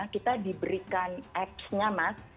kita diberikan apps nya mas